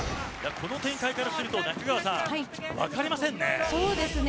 この展開からすると、中川さん分かりませんね。